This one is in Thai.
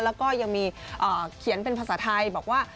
แล้วก็ยังมีเขียนเป็นภาษาไทยบอกว่า